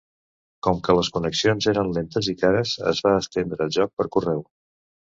Com que les connexions eren lentes i cares es va estendre el joc per correu.